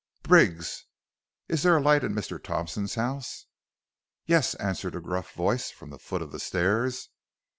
"'Briggs, is there a light in Mr. Thompson's house?' "'Yes,' answered a gruff voice from the foot of the stairs.